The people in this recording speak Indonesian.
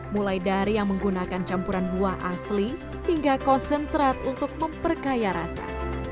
mulai dari yang menggunakan campuran buah asli hingga konsentrat untuk memperkaya rasa